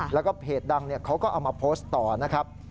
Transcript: แล้วก็เพจดังเขาก็เอามาโพสต์ต่อนะครับ